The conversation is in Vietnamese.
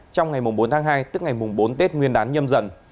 trong ngày bốn tháng hai tức ngày mùng bốn tết nguyên đán nhâm dần